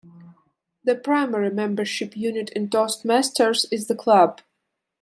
The primary membership unit in Toastmasters is the club.